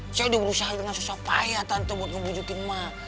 saya udah berusaha dengan susah payah tante buat ngebujukin mah